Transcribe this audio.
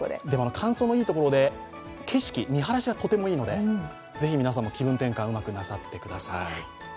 乾燥のいいところで、景色、見晴らしはとてもいいので、ぜひ皆さんも気分転換、うまくなさってください。